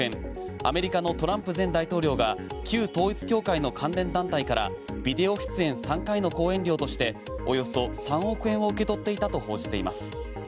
アメリカのトランプ前大統領が旧統一教会の関連団体からビデオ出演３回の講演料としておよそ３億円を受け取っていたと報じています。